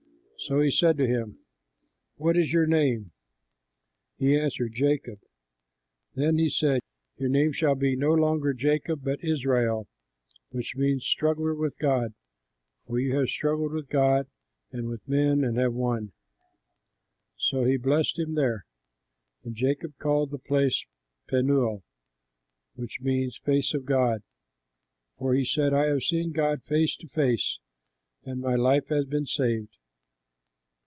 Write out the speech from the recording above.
So he said to him, "What is your name?" He answered, "Jacob." Then he said, "Your name shall be no longer Jacob, but Israel, which means Struggler with God; for you have struggled with God and with men and have won." So he blessed him there. And Jacob called the place Penuel, which means Face of God, for he said, "I have seen God face to face, and my life has been saved."